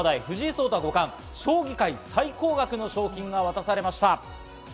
藤井聡太五冠、将棋界最高額の賞金が渡されました。